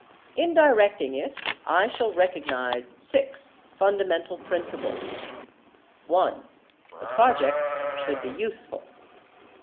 In directing it, I shall recognize six fundamental principles: (1) The projects should be useful.